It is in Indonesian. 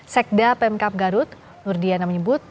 sekda pemkap garut nur diana menyebut